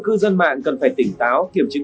cư dân mạng cần phải tỉnh táo kiểm chứng